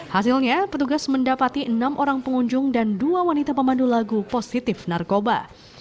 hasilnya petugas mendapati enam orang pengunjung dan dua wanita pemandu lagu positif narkoba